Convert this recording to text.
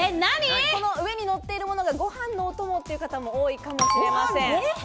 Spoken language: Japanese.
上にのっているものが、ご飯のお供っていう方も多いかもしれません。